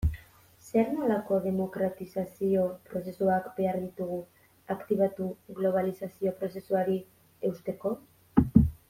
Zer nolako demokratizazio prozesuak behar ditugu aktibatu globalizazio prozesuari eusteko?